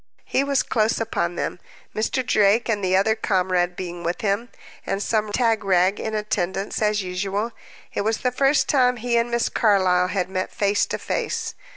He was close upon them, Mr. Drake and the other comrade being with him, and some tagrag in attendance, as usual. It was the first time he and Miss Carlyle had met face to face.